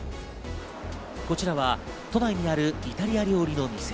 こちらは都内にあるイタリア料理の店。